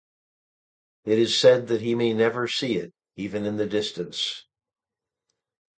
It is said that he may never see it even in the distance.